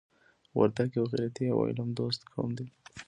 وردګ یو غیرتي او علم دوسته قوم دی.